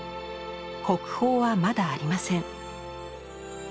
国宝はまだありません。